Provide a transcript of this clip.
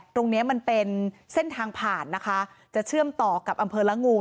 ตรงนี้มันเป็นเส้นทางผ่านนะคะจะเชื่อมต่อกับอำเภอละงู